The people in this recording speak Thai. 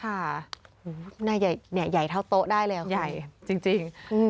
น่าใหญ่เนี่ยใหญ่เท่าโต๊ะได้เลยจริง